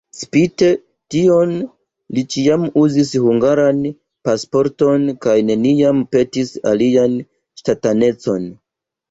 Spite tion li ĉiam uzis hungaran pasporton kaj neniam petis alian ŝtatanecon.